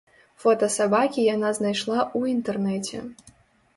Фота сабакі яна знайшла ў інтэрнэце.